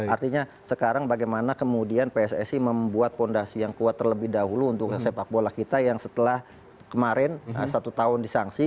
artinya sekarang bagaimana kemudian pssi membuat fondasi yang kuat terlebih dahulu untuk sepak bola kita yang setelah kemarin satu tahun disangsi